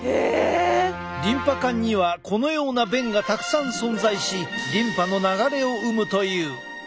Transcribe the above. リンパ管にはこのような弁がたくさん存在しリンパの流れを生むという。